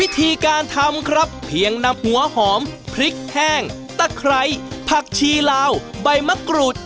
วิธีการทำครับเพียงนำหัวหอมพริกแห้งตะไคร้ผักชีลาวใบมะกรูด